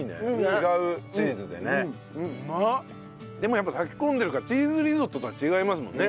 でもやっぱり炊き込んでるからチーズリゾットとは違いますもんね。